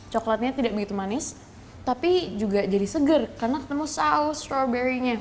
coklatnya tidak begitu manis tapi juga jadi seger karena ketemu saus strawberry nya